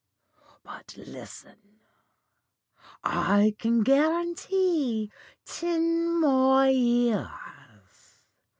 But listen, I can guarantee ten more years.